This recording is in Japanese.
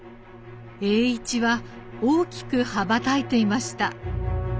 栄一は大きく羽ばたいていました。